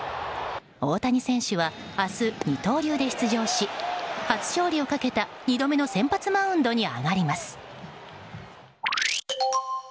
大谷選手は明日、二刀流で出場し初勝利をかけた、２度目の先発マウンドに上がります。